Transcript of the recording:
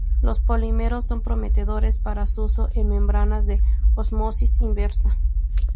Los polímeros son prometedores para su uso en membranas de ósmosis inversa.